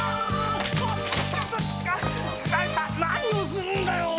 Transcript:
何をするんだよ。